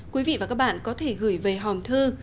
quý vị và các bạn có thể gửi về hòm thư